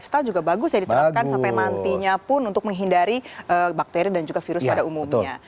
health care juga bagus ya ditelepkan sampai mantinya pun untuk menghindari bakteri dan juga virus pada umumnya